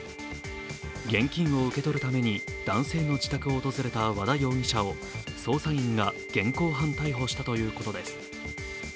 現金を受け取るために男性の自宅を訪れた和田容疑者を捜査員が現行犯逮捕したということです。